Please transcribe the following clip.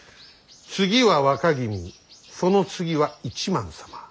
次は若君その次は一幡様。